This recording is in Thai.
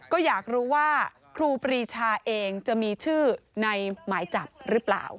ก็อยากรู้ว่าครูปรีชาเองจะมีชื่อในหมายจับหรือเปล่า